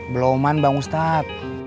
beloman bang ustadz